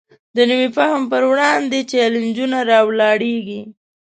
د نوي فهم پر وړاندې چلینجونه راولاړېږي.